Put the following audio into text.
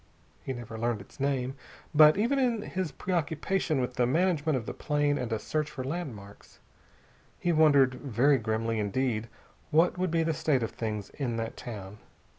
He never learned its name, but even in his preoccupation with the management of the plane and a search for landmarks, he wondered very grimly indeed what would be the state of things in that town.